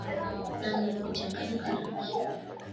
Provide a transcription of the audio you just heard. namna ya kuchanganya karanga